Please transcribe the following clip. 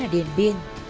ở điền biên